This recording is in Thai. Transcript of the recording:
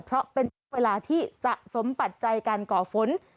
เพราะเป็นช่วงเวลาที่สะสมปัจจัยการก่อฝน